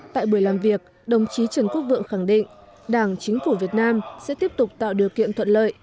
tại buổi làm việc đồng chí trần quốc vượng khẳng định đảng chính phủ việt nam sẽ tiếp tục tạo điều kiện thuận lợi